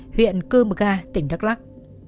huyện cư mga tỉnh đắk lắc